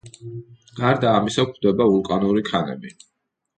გარდა ამისა, გვხვდება ვულკანური ქანები.